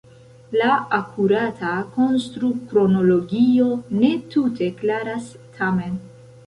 La akurata konstrukronologio ne tute klaras tamen.